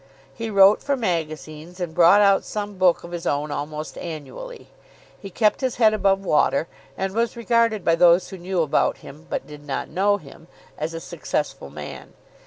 He wrote for magazines, and brought out some book of his own almost annually. He kept his head above water, and was regarded by those who knew about him, but did not know him, as a successful man.